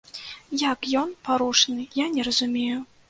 Як ён парушаны, я не разумею.